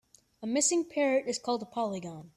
A missing parrot is called a polygon.